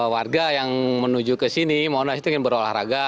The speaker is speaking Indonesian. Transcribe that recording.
warga yang menuju ke sini monas itu ingin berolahraga